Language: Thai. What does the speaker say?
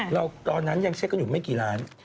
ตอนนั้นยังเช็คกันอยู่ไม่กี่ล้าน